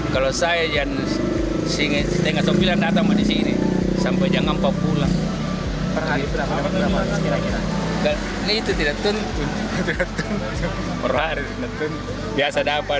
kalau saya jangan singet setengah sembilan datang disini sampai jangan pulang perhari berapa